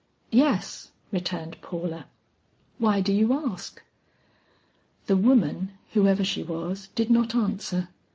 "Yes," returned Paula, "why do you ask?" The woman, whoever she was, did not answer.